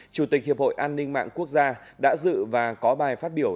chủ tịch hiệp hội an ninh mạng quốc gia đã dự và có bài phát biểu